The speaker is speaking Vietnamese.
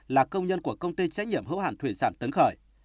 là công nhân của công ty trách nhiệm hữu hạn thủy sản tấn khởi